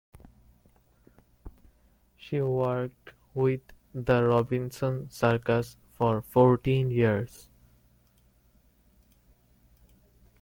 She worked with the Robinson circus for fourteen years.